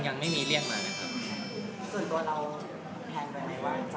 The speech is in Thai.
ยังไม่มีเรียกมาครับ